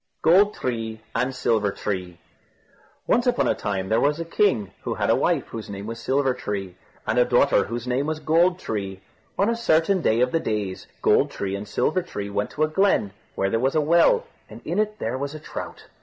GOLD TREE AND SILVER TREE Once upon a time there was a king who had a wife, whose name was Silver tree, and a daughter, whose name was Gold tree. On a certain day of the days, Gold tree and Silver tree went to a glen, where there was a well, and in it there was a trout.